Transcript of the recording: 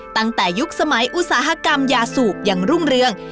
ตั้งแต่ยุคสมัยอุตสาหกรรมยาสูบอย่างรุ่งเรือง